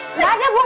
ki ki ga ada bu